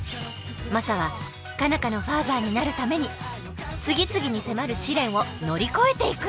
マサは佳奈花のファーザーになるために次々に迫る試練を乗り越えていく。